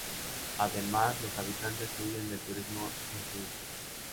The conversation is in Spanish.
Además, los habitantes huyen del turismo en su isla.